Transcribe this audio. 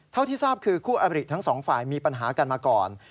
เท่าที่ทราบคือคู่อบริทั้งสองฝ่ายมีปัญหากันมาก่อน